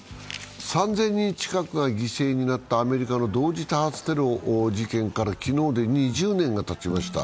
３０００人近くが犠牲になったアメリカの同時多発テロ事件から昨日で２０年がたちました。